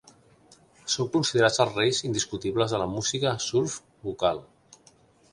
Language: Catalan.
Són considerats els reis indiscutibles de la música surf vocal.